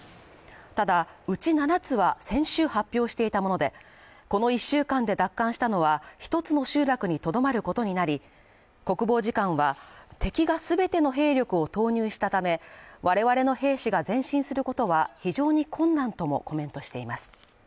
ただ、うち七つは先週発表していたもので、この１週間で奪還したのは一つの集落にとどまることになり、国防次官は敵が全ての兵力を投入したため、我々の兵士が前進することは非常に困難ともコメントしています。